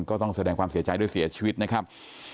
ก็ต้องแสดงความเสียใจด้วยเสียชีวิตนะครับ